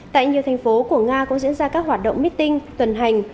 tại nhiều thành phố của nga cũng diễn ra các hoạt động meeting tuần hành